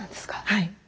はい。